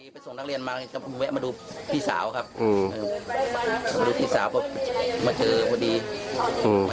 ไปส่งแล้วเรียนมามาดูพี่สาวครับอืม